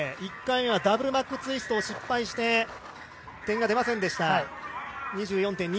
１回目はダブルマックツイストを失敗して点が出ませんでした。